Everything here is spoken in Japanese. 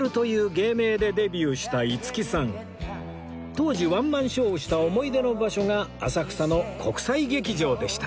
当時ワンマンショーをした思い出の場所が浅草の国際劇場でした